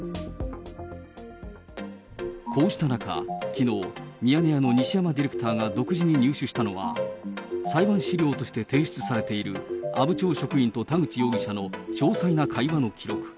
こうした中、きのう、ミヤネ屋の西山ディレクターが独自に入手したのは、裁判資料として提出されている、阿武町職員と田口容疑者の詳細な会話の記録。